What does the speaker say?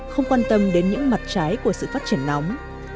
không quan tâm đến những mặt trái của sự phát triển nóng